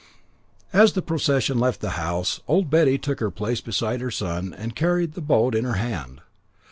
As the procession left the house, Old Betty took her place beside her son, and carried the boat in her hand.